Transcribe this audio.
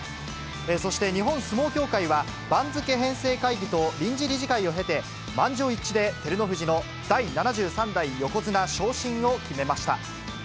そして、日本相撲協会は、番付編成会議と臨時理事会を経て、満場一致で照ノ富士の第７３代横綱昇進を決めました。